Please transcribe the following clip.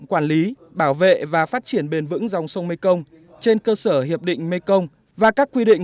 quản lý bảo vệ và phát triển bền vững dòng sông mekong trên cơ sở hiệp định mekong và các quy định